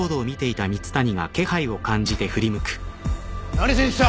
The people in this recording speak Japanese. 何しに来た？